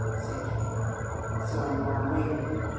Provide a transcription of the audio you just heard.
said Kate. So Honora waited.